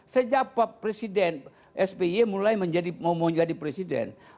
sejak presiden spy mulai mau menjadi presiden